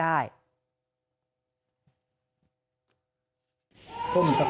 เพิ่มเติมเลยฮะ